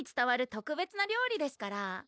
特別な料理ですから